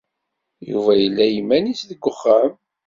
Yuba yella i yiman-is deg uxxam.